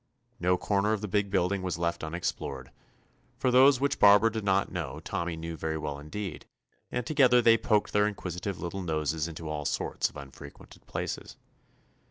No corner of the big build ing was left unexplored, for those which Barbara did not know Tommy knew very well indeed, and together they poked their inquisitive little noses into all sorts of unfrequented places.